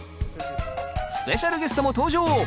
スペシャルゲストも登場！